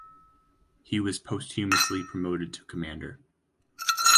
He was posthumously promoted to Commander.